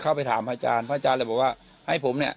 ไปถามพระอาจารย์พระอาจารย์เลยบอกว่าให้ผมเนี่ย